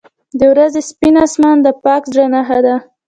• د ورځې سپین آسمان د پاک زړه نښه ده.